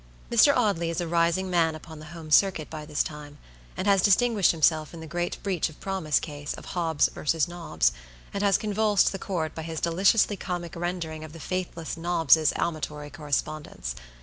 Mr. Audley is a rising man upon the home circuit by this time, and has distinguished himself in the great breach of promise case of Hobbs v. Nobbs, and has convulsed the court by his deliciously comic rendering of the faithless Nobb's amatory correspondence.